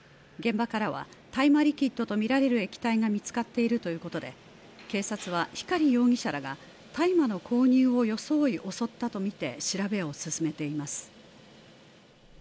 現場からは大麻リキッドとみられる液体が見つかっているということで警察は光容疑者らが大麻の購入を装い襲ったと見て調べを進めています